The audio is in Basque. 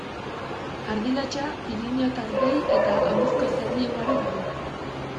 Ardi latxa, piriniotar behi eta Aurizko zaldi ugari dago.